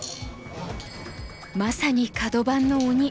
まさにカド番の鬼。